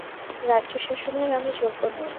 রাজ্যশাসনের আমি যোগ্য নই।